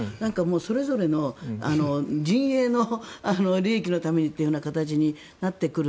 分断されてくるとそれぞれの陣営の利益のためにという形になってくる。